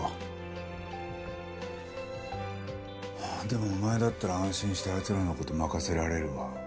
でもお前だったら安心してあいつらの事任せられるわ。